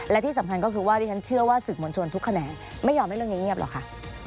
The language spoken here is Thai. และที่สำคัญก็คือว่าที่ฉันเชื่อว่าสื่อมวลชนทุกแขนงไม่ยอมให้เรื่องนี้เงียบหรอกค่ะ